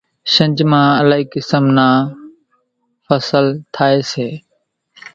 شنجھ مان الائِي قِسم نان ڦصل ٿائيَ سي۔